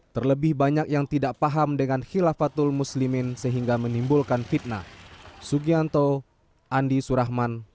terlebih banyak yang tidak paham dengan khilafatul muslimin sehingga menimbulkan fitnah